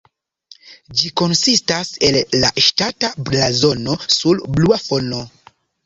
Ĝi konsistas el la ŝtata blazono sur blua fono.